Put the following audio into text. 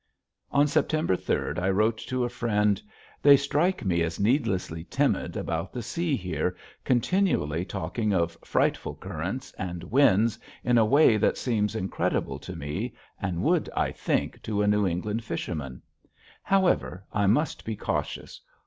On September third, I wrote to a friend: "They strike me as needlessly timid about the sea here, continually talking of frightful currents and winds in a way that seems incredible to me and would, I think, to a New England fisherman. However, I must be cautious.